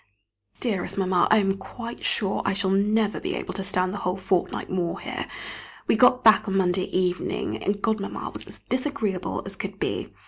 Dearest Mamma, I am quite sure I shall never be able to stand the whole fortnight more here. We got back on Monday evening, and Godmamma was as disagreeable as could be.